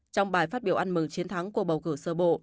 trong bài phát biểu ăn mừng chiến thắng của bầu cử sơ bộ